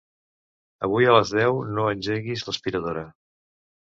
Avui a les deu no engeguis l'aspiradora.